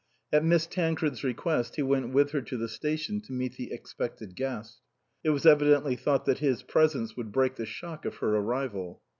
At Miss Tancred's request he went with her to the station to meet the expected guest. It was evidently thought that his presence would break the shock of her arrival.